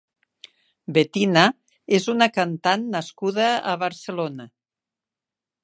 Betina és una cantant nascuda a Barcelona.